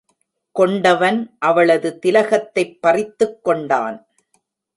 கொண்டவன் அவளது திலகத்தைப் பறித்துக்கொண்டான்.